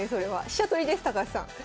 飛車取りです高橋さん。